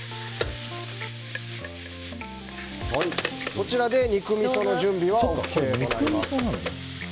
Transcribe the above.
こちらで肉みその準備はＯＫになります。